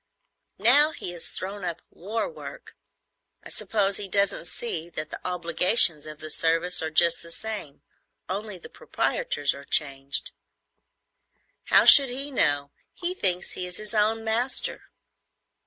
"Now he has thrown up war work, I suppose he doesn't see that the obligations of the service are just the same, only the proprietors are changed." "How should he know? He thinks he is his own master."